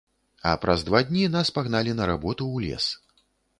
А праз два дні нас пагналі на работу ў лес.